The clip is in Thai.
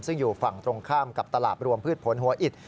ซึ่งอยู่ฝั่งตรงข้ามกับตลาดรวมพืชผลหัวอิด